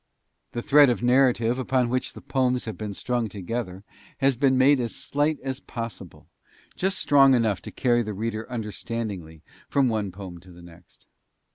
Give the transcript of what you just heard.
The thread of narrative upon which the poems have been strung together has been made as slight as possible, just strong enough to carry the reader understandingly from one poem to the next.